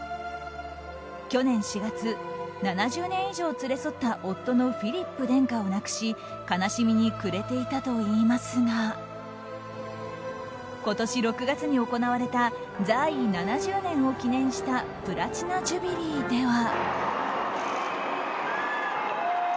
去年４月、７０年以上連れ添った夫のフィリップ殿下を亡くし悲しみに暮れていたといいますが今年６月に行われた在位７０年を記念したプラチナ・ジュビリーでは。